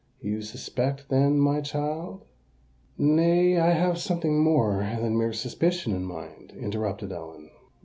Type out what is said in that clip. "You suspect then, my child——" "Nay—I have something more than mere suspicion in my mind," interrupted Ellen.